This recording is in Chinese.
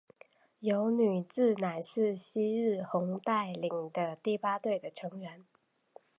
油女志乃是夕日红带领的第八队的成员。